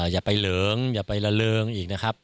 อย่าไปเหลิงอย่าไปละเริงอีกนะครับ